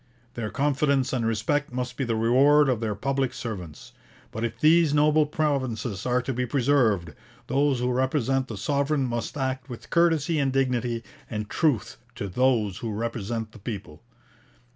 Their confidence and respect must be the reward of their public servants. But if these noble provinces are to be preserved, those who represent the sovereign must act with courtesy and dignity and truth to those who represent the people.